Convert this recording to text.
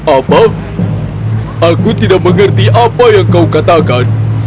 apa aku tidak mengerti apa yang kau katakan